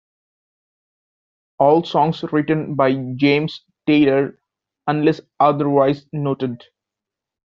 All songs written by James Taylor unless otherwise noted.